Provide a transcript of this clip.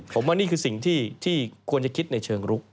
ผมว่านี่คือสิ่งที่ควรจะคิดในเชิงรุก